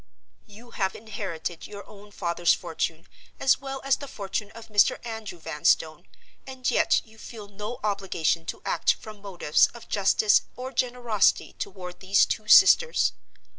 "You have inherited your own father's fortune, as well as the fortune of Mr. Andrew Vanstone, and yet you feel no obligation to act from motives of justice or generosity toward these two sisters?